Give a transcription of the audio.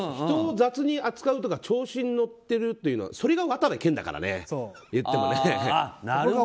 人を雑に扱うとか調子に乗ってるというのはそれが渡部建だからね、言っても。